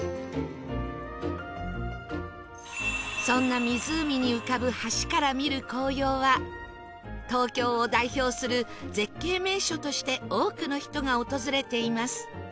そんな湖に浮かぶ橋から見る紅葉は東京を代表する絶景名所として多くの人が訪れています